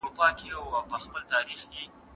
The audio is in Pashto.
پخوانۍ ډیموکراسي له نننۍ هغې سره څه فرق لري؟